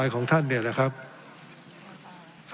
ทั้งสองกรณีผลเอกประยุทธ์